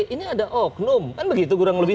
ini ada oknum kan begitu kurang lebih